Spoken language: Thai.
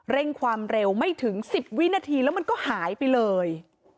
เร่งความเร็วไม่ถึง๑๐วินาทีแล้วมันก็หายไปเลย